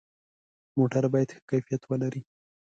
موټر باید ښه کیفیت ولري.